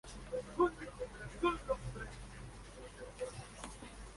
Fue nombrada así en honor al general prusiano Adolf von Lützow.